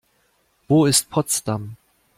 Wo ist Potsdam?